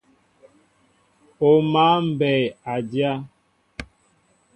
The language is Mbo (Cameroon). O máál mbɛy a dyá.